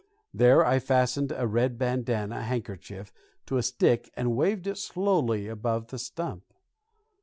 There I fastened a red bandanna handkerchief to a stick and waved it slowly above the stump.